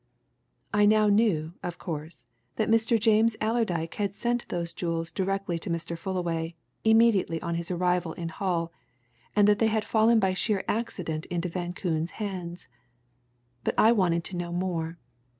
"I now knew, of course, that Mr. James Allerdyke had sent those jewels direct to Mr. Fullaway, immediately on his arrival in Hull, and that they had fallen by sheer accident into Van Koon's hands. But I wanted to know more.